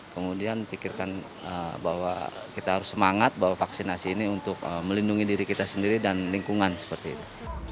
kemudian pikirkan bahwa kita harus semangat bahwa vaksinasi ini untuk melindungi diri kita sendiri dan lingkungan seperti itu